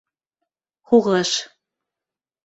— Һуғыш...